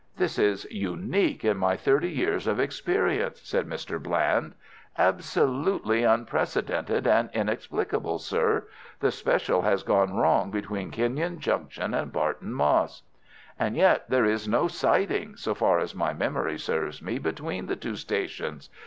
"This is unique in my thirty years of experience," said Mr. Bland. "Absolutely unprecedented and inexplicable, sir. The special has gone wrong between Kenyon Junction and Barton Moss." "And yet there is no siding, so far as my memory serves me, between the two stations.